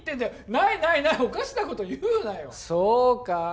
ないないないおかしなこと言うなよそうか？